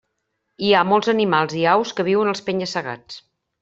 Hi ha molts animals i aus que viuen als penya-segats.